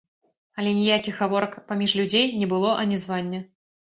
Але ніякіх гаворак паміж людзей не было анізвання.